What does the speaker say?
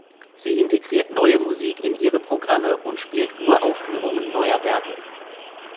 Sie integriert Neue Musik in ihre Programme und spielt Uraufführungen neuer Werke.